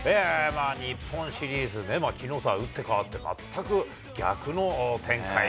日本シリーズね、きのうとは打って変わって、全く逆の展開。